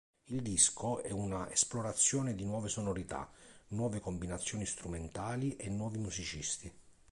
Il disco è una esplorazione di nuove sonorità, nuove combinazioni strumentali e nuovi musicisti.